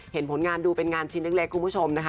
เห็นผลงานดูเป็นงานชิ้นเล็กคุณผู้ชม